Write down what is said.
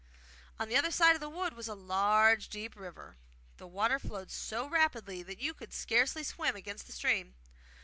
On the other side of the wood was a large deep river. The water flowed so rapidly that you could scarcely swim against the stream.